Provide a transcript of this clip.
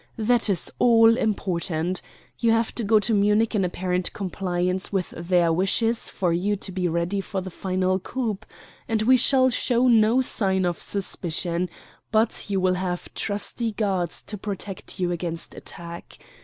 That is all important. You will have to go to Munich in apparent compliance with their wishes for you to be ready for the final coup, and we shall show no sign of suspicion, but you will have trusty guards to protect you against attack.